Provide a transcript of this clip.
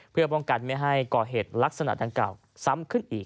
เพื่อป้องกันไม่ให้ก่อเหตุลักษณะดังกล่าวซ้ำขึ้นอีก